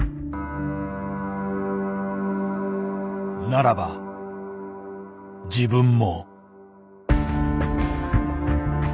ならば自分も。